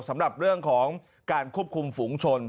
สำหรับเรื่องของการควบคุมฝูงชน